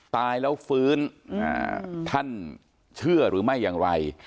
ตายแล้วฟื้นท่านเชื่อหรือไม่อย่างไร